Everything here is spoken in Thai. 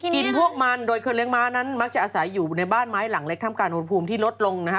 พวกมันโดยคนเลี้ยม้านั้นมักจะอาศัยอยู่ในบ้านไม้หลังเล็กถ้ำการอุณหภูมิที่ลดลงนะฮะ